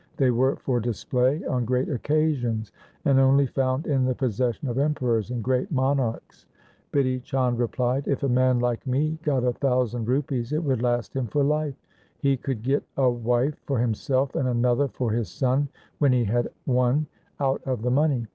They were for display on great occasions, and only found in the possession of emperors and great monarchs. Bidhi Chand replied, ' If a man like me got a thousand rupees it would last him for life. He could get a wife for himself and another for his son, when he had one, out of the money.